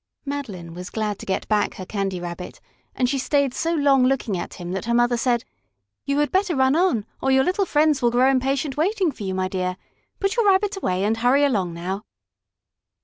Madeline was glad to get back her Candy Rabbit, and she stayed so long looking at him that her mother said: "You had better run on, or your little friends will grow impatient waiting for you, my dear. Put your Rabbit away, and hurry along now."